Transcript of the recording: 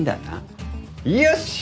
よし！